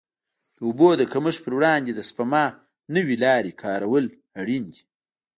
د اوبو د کمښت پر وړاندې د سپما نوې لارې کارول اړین دي.